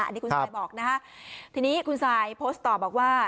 อันนี้คุณซายบอกนะฮะทีนี้คุณซายโพสต์ต่อบอกว่า